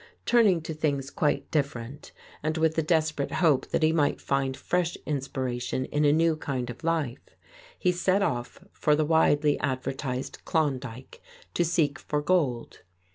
Turning to things quite different, and with a desperate hope that he might find fresh inspiration in a new kind of life, he set off for the widely advertised Klondike to seek for gold.